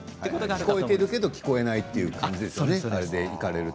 聞こえているんだけれども聞こえないという感じですよね。